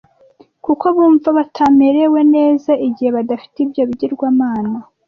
kuko bumva batamerewe neza igihe badafite ibyo bigirwamana